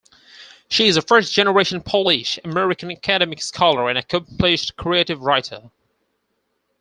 She is a first-generation Polish American academic scholar and accomplished creative writer.